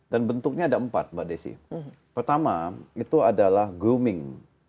dan bentuknya ada empat mbak desi pertama itu adalah grooming